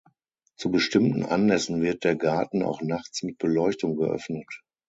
Zu bestimmten Anlässen wird der Garten auch nachts mit Beleuchtung geöffnet.